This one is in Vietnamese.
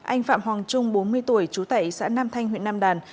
anh phạm hoàng trung bốn mươi tuổi chú tẩy xã nam thanh huyện nam đàn